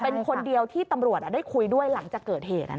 เป็นคนเดียวที่ตำรวจได้คุยด้วยหลังจากเกิดเหตุ